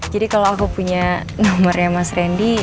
jadi kalau aku punya nomornya mas randy